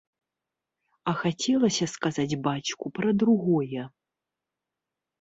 А хацелася сказаць бацьку пра другое.